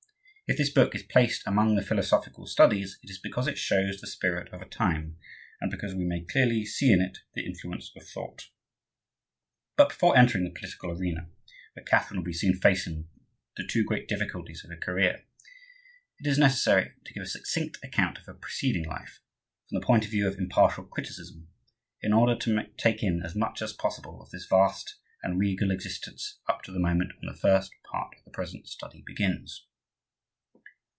If this book is placed among the Philosophical Studies, it is because it shows the Spirit of a Time, and because we may clearly see in it the influence of thought. But before entering the political arena, where Catherine will be seen facing the two great difficulties of her career, it is necessary to give a succinct account of her preceding life, from the point of view of impartial criticism, in order to take in as much as possible of this vast and regal existence up to the moment when the first part of the present Study begins.